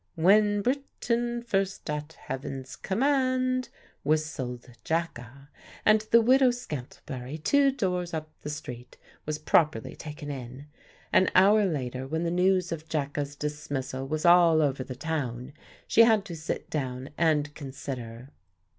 "When Britain first at Heaven's command," whistled Jacka; and the Widow Scantlebury, two doors up the street, was properly taken in. An hour later, when the news of Jacka's dismissal was all over the town, she had to sit down and consider.